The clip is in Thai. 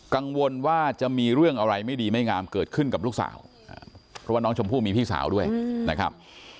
กังวลว่าจะมีเรื่องอะไรไม่ดีไม่งามเกิดขึ้นกับลูกสาวเพราะว่าน้องชมพู่มีพี่สาวด้วยนะครับ